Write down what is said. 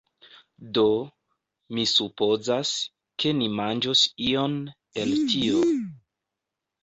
Do, mi supozas, ke ni manĝos ion el tio